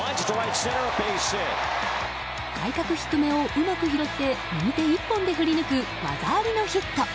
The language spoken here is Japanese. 外角低めをうまく拾って右手１本で振り抜く技ありのヒット。